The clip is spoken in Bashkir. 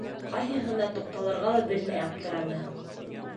Ҡайһыһына туҡталырға ла белмәй аптыраны.